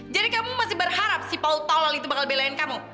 jadi kamu masih berharap si paul tolal itu bakal belaian kamu